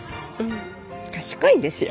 賢いんですよ。